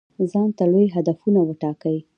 ځانته لوی هدفونه وټاکئ.